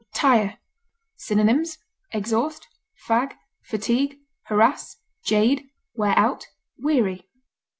TIRE. Synonyms: exhaust, fatigue, harass, jade, wear out, weary.